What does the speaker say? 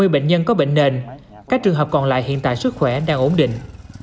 hai mươi bệnh nhân có bệnh nền các trường hợp còn lại hiện tại sức khỏe đang ổn định